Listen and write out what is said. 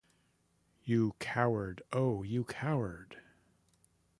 You coward, oh, you coward!